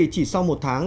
chỉ sau một tháng